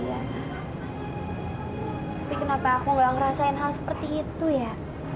tapi kenapa aku gak ngerasain hal seperti itu ya